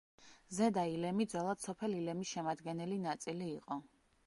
ზედა ილემი ძველად სოფელ ილემის შემადგენელი ნაწილი იყო.